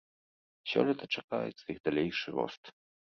Сёлета чакаецца іх далейшы рост.